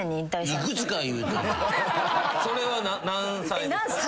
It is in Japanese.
それは何歳？